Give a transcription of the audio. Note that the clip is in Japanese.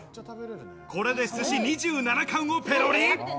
これで寿司２７貫をペロリ。